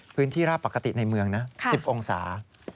พื้นที่ราบปกติในเมืองนะ๑๐องศา